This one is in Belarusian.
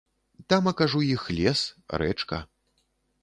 Тамака ж у іх лес, рэчка.